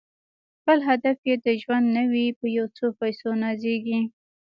بل هدف یې د ژوند نه وي په یو څو پیسو نازیږي